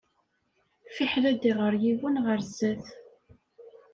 Fiḥel ad iɣer yiwen ɣer zzat.